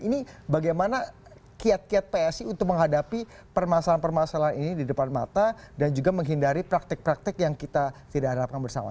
ini bagaimana kiat kiat psi untuk menghadapi permasalahan permasalahan ini di depan mata dan juga menghindari praktek praktek yang kita tidak harapkan bersama